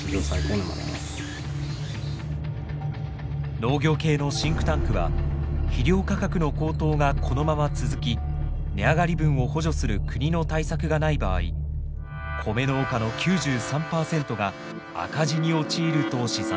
農業系のシンクタンクは肥料価格の高騰がこのまま続き値上がり分を補助する国の対策がない場合コメ農家の９３％が赤字に陥ると試算しています。